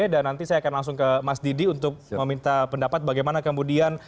dan nanti saya akan langsung ke mas didi untuk meminta pendapat bagaimana kemudian